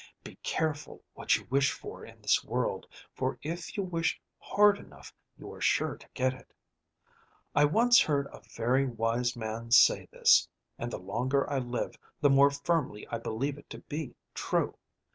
Be careful what you wish for in this world, for if you wish hard enough you are sure to get it. I once heard a very wise man say this, and the longer I live the more firmly I believe it to be true.